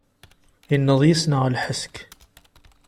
Inneḍ yis-neɣ lḥesk.